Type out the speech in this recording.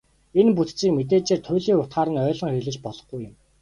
Энэ бүтцийг мэдээжээр туйлын утгаар нь ойлгон хэрэглэж болохгүй юм.